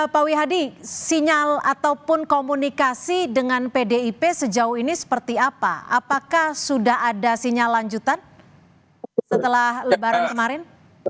pak wihadi sinyal ataupun komunikasi dengan pdip sejauh ini seperti apa apakah sudah ada sinyal lanjutan setelah lebaran kemarin